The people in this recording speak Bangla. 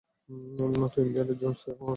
তো, ইন্ডিয়ানা জোন্স হওয়ার শখ কবে জাগলো?